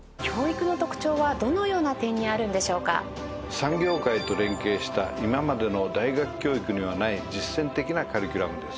産業界と連携した今までの大学教育にはない実践的なカリキュラムです。